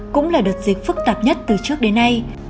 cũng là đợt dịch phức tạp nhất từ trước đến nay